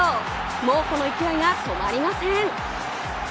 猛虎の勢いが止まりません。